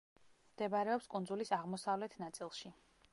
მდებარეობს კუნძულის აღმოსავლეთ ნაწილში.